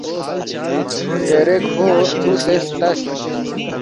دیرے کھو ہرکُوسے ہلتس